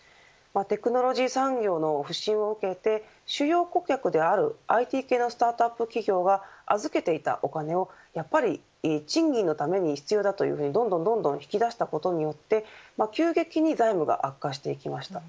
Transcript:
テクノロジー産業の不振を受けて主要顧客であるＩＴ系のスタートアップ企業が預けていたお金をやっぱり賃金のために必要だとどんどん引き出したことによって急激に財務が悪化していきました。